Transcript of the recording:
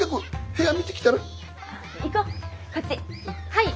はい！